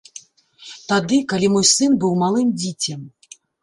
Тады, калі мой сын быў малым дзіцем.